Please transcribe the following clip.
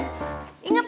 inget ya inget